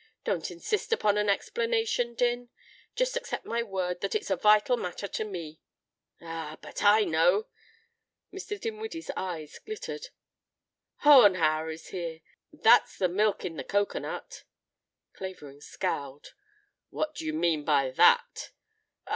Don't insist upon an explanation, Din. Just accept my word that it's a vital matter to me." "Ah! But I know!" Mr. Dinwiddie's eyes glittered. "Hohenhauer is here. That's the milk in the cocoanut." Clavering scowled. "What do you mean by that?"